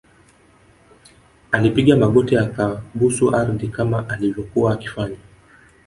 alipiga magoti akabusu ardhi kama alivyokuwa akifanya